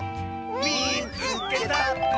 「みいつけた！」。